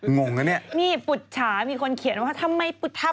งงนะเนี่ยนี่ปุจฉามีคนเขียนว่าทำไมปุทะ